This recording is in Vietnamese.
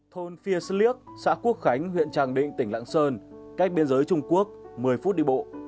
thôn phiên sơn liếc xã quốc khánh huyện tràng định tỉnh lãng sơn cách biên giới trung quốc một mươi phút đi bộ